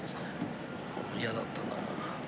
嫌だったな。